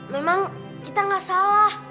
memang kita gak salah